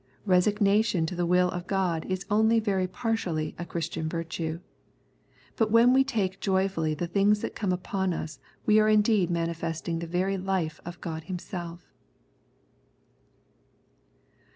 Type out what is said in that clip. Resignation to the will of God is only very partially a Christian virtue ; but when we take joyfully the things that come upon us we are indeed manifesting the very life of God Himself.